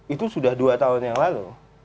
itu sudah dua tahun yang lalu